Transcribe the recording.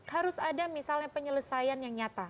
harus ada misalnya penyelesaian yang nyata